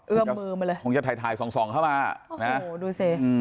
เอื้อมมือมาเลยคงจะถ่ายถ่ายส่องเข้ามานะโอ้โหดูสิ